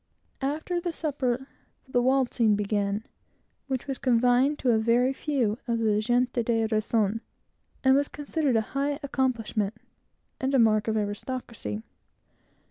After the supper, the waltzing began, which was confined to a very few of the "gente de razón," and was considered a high accomplishment, and a mark of aristocracy.